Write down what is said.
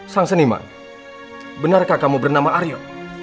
sang seniman benarkah kamu bernama aryo